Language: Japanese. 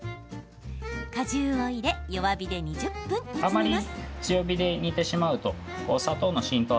果汁を入れ弱火で２０分、煮詰めます。